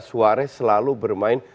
suarez selalu bermain